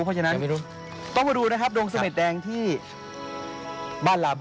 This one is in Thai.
เพราะฉะนั้นต้องมาดูนะครับดวงเสม็ดแดงที่บ้านลาบู